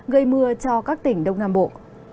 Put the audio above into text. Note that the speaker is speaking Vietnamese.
gây mưa cho các tỉnh đông nam bộ